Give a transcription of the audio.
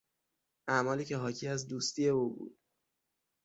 اعمالی که حاکی از دوستی او بود